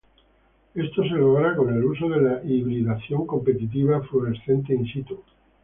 Esto se logra con el uso de la hibridación competitiva fluorescente in situ.